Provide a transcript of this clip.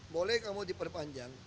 boleh kamu diperpanjang